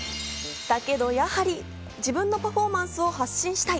だけどやはり、自分のパフォーマンスを発信したい。